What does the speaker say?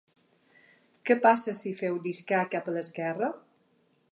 Què passa si feu lliscar cap a l'esquerra?